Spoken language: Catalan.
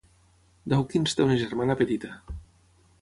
Dawkins té una germana petita.